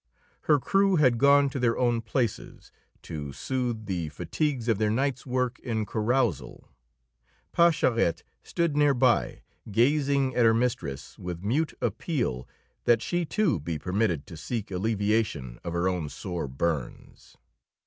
Her crew had gone to their own places, to soothe the fatigues of their night's work in carousal; Pascherette stood near by, gazing at her mistress with mute appeal that she, too, be permitted to seek alleviation of her own sore burns.